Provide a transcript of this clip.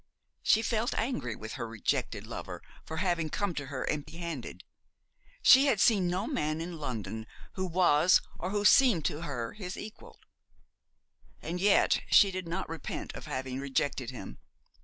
She felt angry with her rejected lover for having come to her empty handed. She had seen no man in London who was, or who seemed to her, his equal. And yet she did not repent of having rejected him.